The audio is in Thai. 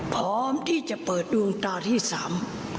พร้อมที่จะเปิดดวงตาที่สาม